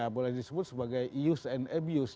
boleh disebut sebagai use and abuse